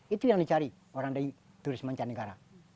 itu yang dicari orang dari turismencah negara